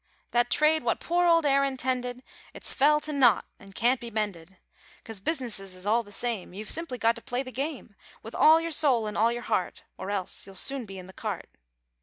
That trade what poor old Aaron tended It's fell to nowt an' can't be mended Coz businesses is all the same You've simply got to play the game With all your soul an' all your heart Or else you'll soon be in the cart.